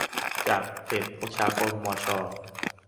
จากเพจประชาคมมอชอ